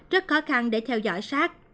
rất khó khăn để theo dõi sát